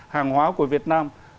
hàng hóa của việt nam